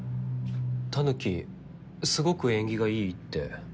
タヌキすごく縁起がいいって。